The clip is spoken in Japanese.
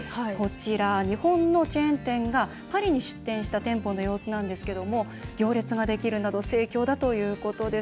日本のチェーン店がパリに出店した店舗の様子なんですが行列ができるなど盛況だということです。